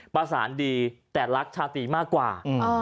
ประสานดีแต่รักชาตรีมากกว่า